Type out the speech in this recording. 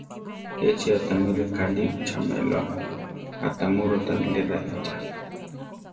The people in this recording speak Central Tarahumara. Échi a tamí rekáli chaʼméloa; atamúro ta bilé raʼícha.